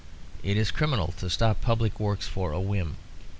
It is criminal to stop public works for a whim.